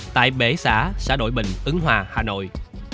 tại bể xã đội bình ứng hòa hà nội